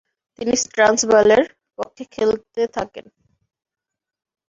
তিনি ট্রান্সভালের পক্ষে খেলতে থাকেন।